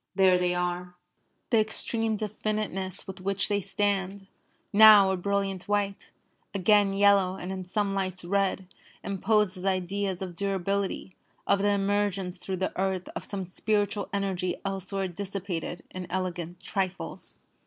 There they are. The extreme definiteness with which they stand, now a brilliant white, again yellow, and in some lights red, imposes ideas of durability, of the emergence through the earth of some spiritual energy elsewhere dissipated in elegant trifles.